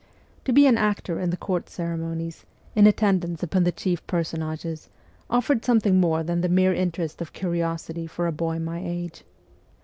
To be an actor in the Court ceremonies, in attendance upon the chief personages, offered something more than the mere interest of curiosity for a boy of my age.